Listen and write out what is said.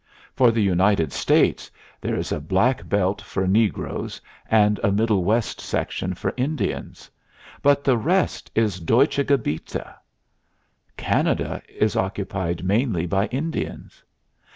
For the United States there is a black belt for negroes and a middle west section for Indians; but the rest is Deutsche Gebiete. Canada is occupied mainly by Indians.